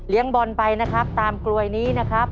บอลไปนะครับตามกลวยนี้นะครับ